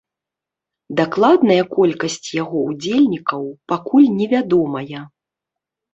Дакладная колькасць яго ўдзельнікаў пакуль не вядомая.